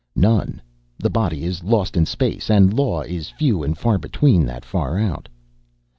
"None. The body is lost in space. And law is few and far between that far out."